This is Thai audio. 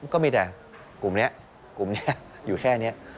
ก็มีแต่กลุ่มนี้กลุ่มนี้อยู่แค่นี้